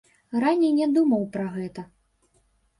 Раней не думаў пра гэта.